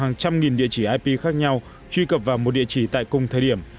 hàng trăm nghìn địa chỉ ip khác nhau truy cập vào một địa chỉ tại cùng thời điểm